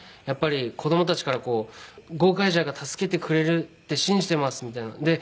やっぱり子供たちから「ゴーカイジャーが助けてくれるって信じてます」みたいな。